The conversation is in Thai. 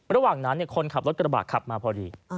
ระหว่างนั้นคนขับรถกระบะขับมาพอดี